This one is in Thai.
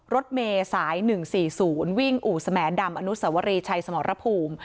รถเมย์สาย๑๔๐วิ่งอู่สมแดมอสวรีชายสมรภูมิ